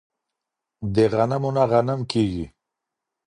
د غنمو نه غنم کيږي.